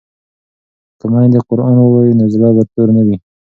که میندې قران ووايي نو زړه به تور نه وي.